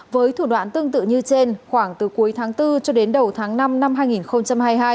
với thủ đoạn tương tự như trên khoảng từ cuối tháng bốn cho đến đầu tháng năm năm hai nghìn hai mươi hai